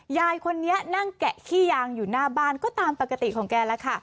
ยายคนนี้นั่งแกะขี้ยางอยู่หน้าบ้านก็ตามปกติของแกแล้วค่ะ